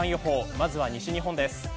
まずは西日本です。